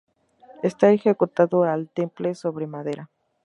Está ejecutado al temple sobre madera.